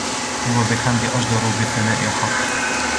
وَهُوَ بِالْحَمْدِ أَجْدَرُ وَبِالثَّنَاءِ أَحَقُّ